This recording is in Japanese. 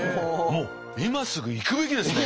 もう今すぐ行くべきですね。